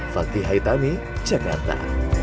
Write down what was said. fakih haitani jakarta